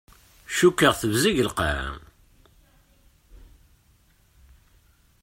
Cukkeɣ tebzeg lqaɛa.